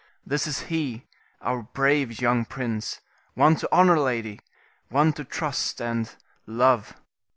This is he, our brave young prince; one to honor, lady; one to trust and love.